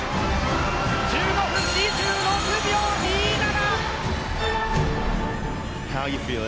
１５分２６秒２７！